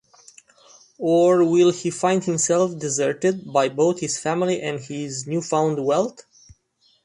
Or will he find himself deserted by both his family and his newfound wealth?